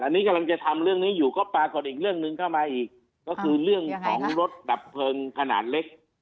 อันนี้กำลังจะทำเรื่องนี้อยู่ก็ปรากฏอีกเรื่องหนึ่งเข้ามาอีกก็คือเรื่องของรถดับเพลิงขนาดเล็ก